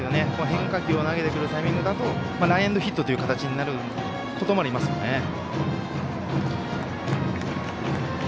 変化球を投げてくるタイミングでランエンドヒットという形になることもありますね。